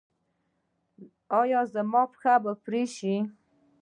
ایا زما پښې به پرې شي؟